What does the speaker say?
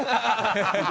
ハハハハ！